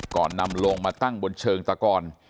ก่อนนำโลงมาตั้งบนเชิงตะกอน